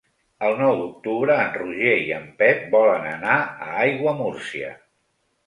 El nou d'octubre en Roger i en Pep volen anar a Aiguamúrcia.